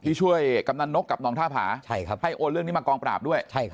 ที่ช่วยกำนันนกกับน้องท่าผาให้โอนเรื่องนี้มากองปราบด้วย